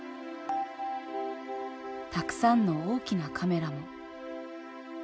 たくさんの大きなカメラも。